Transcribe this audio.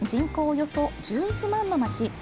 およそ１１万の町。